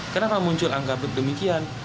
kenapa muncul angkabut demikian